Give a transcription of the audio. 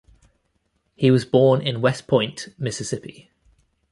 He was born in West Point, Mississippi.